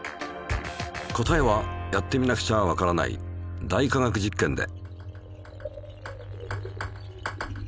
答えはやってみなくちゃわからない「大科学実験」で。